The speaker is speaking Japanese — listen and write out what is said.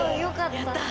やった！